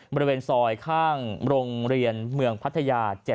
บริเวณซอยข้างโรงเรียนเมืองพัทยา๗